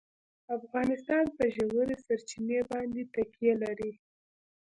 افغانستان په ژورې سرچینې باندې تکیه لري.